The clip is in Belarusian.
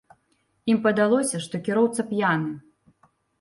Ім падалося, што кіроўца п'яны.